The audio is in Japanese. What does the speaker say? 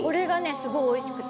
すごくおいしくて。